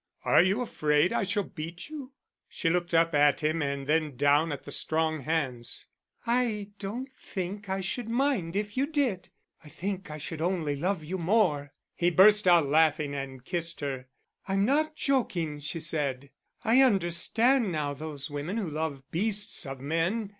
"Are you afraid I shall beat you?" She looked up at him and then down at the strong hands. "I don't think I should mind if you did. I think I should only love you more." He burst out laughing and kissed her. "I'm not joking," she said. "I understand now those women who love beasts of men.